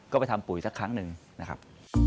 ก็ไปทำปุ๋ยสักครั้งหนึ่งนะครับ